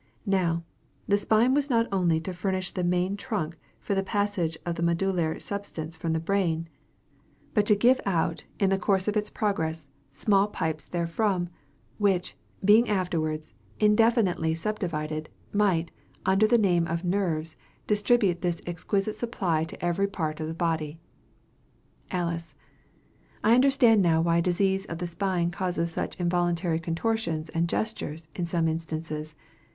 Now, the spine was not only to furnish the main trunk for the passage of the medullary substance from the brain, but to give out, in the course of its progress, small pipes therefrom, which, being afterwards indefinitely subdivided, might, under the name of nerves, distribute this exquisite supply to every part of the body." Alice. I understand now why disease of the spine causes such involuntary contortions and gestures, in some instances.